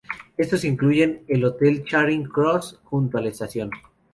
Estos incluyen el Hotel Charing Cross, junto a la estación.